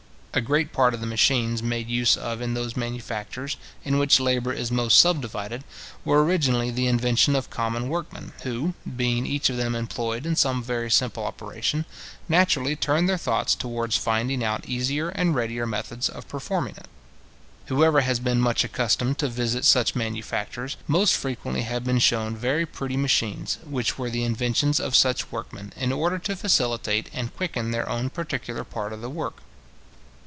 A great part of the machines made use of in those manufactures in which labour is most subdivided, were originally the invention of common workmen, who, being each of them employed in some very simple operation, naturally turned their thoughts towards finding out easier and readier methods of performing it. Whoever has been much accustomed to visit such manufactures, must frequently have been shewn very pretty machines, which were the inventions of such workmen, in order to facilitate and quicken their own particular part of the work.